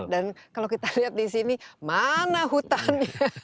dan kalau kita lihat di sini mana hutan